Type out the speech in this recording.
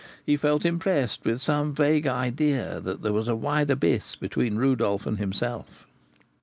He felt impressed with some vague idea that there was a wide abyss between Rodolph and himself.